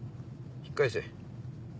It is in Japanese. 引き返せ。